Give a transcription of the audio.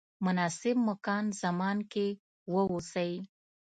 مناسب مکان زمان کې واوسئ.